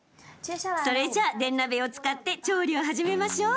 それじゃ電鍋を使って調理を始めましょう。